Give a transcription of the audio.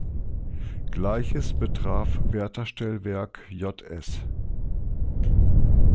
Gleiches betraf Wärterstellwerk „Js“.